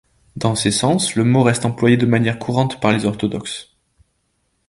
Dans ces sens, le mot reste employé de manière courante par les orthodoxes.